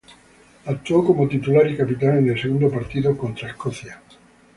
Actuó como titular y capitán en el segundo partido, contra Escocia.